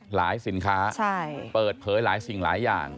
สินค้าเปิดเผยหลายสิ่งหลายอย่าง